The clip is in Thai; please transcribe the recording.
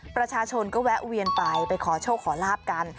ประชาชนก็แวะเวียนไปไปขอโชคขอลาบกัน